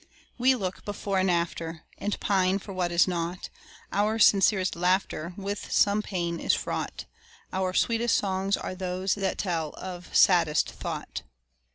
We look before and after, And pine for what is not: Our sincerest laughter With some pain is fraught; Our sweetest songs are those that tell of saddest thought.